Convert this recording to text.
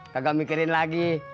kagak mikirin lagi